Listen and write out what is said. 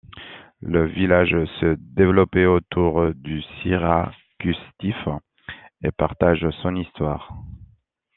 Le village se développait autour du Cyriakusstift et partage son histoire.